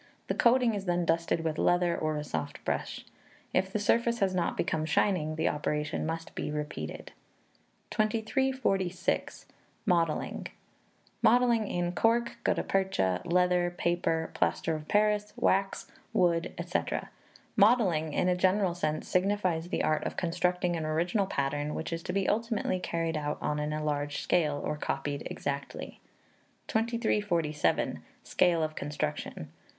The coating is then dusted with leather, or a soft brush. If the surface has not become shining, the operation must be repeated. 2346. Modelling. Modelling in Cork, Gutta Percha, Leather, Paper, Plaster of Paris, Wax, Wood, &c. Modelling, in a general sense, signifies the art of constructing an original pattern, which is to be ultimately carried out on an enlarged scale, or copied exactly. 2347. Scale of Construction.